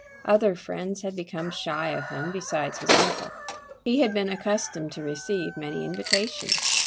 Other friends had become shy of him besides his uncle. He had been accustomed to receive many invitations.